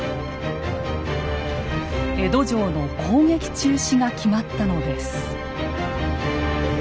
江戸城の攻撃中止が決まったのです。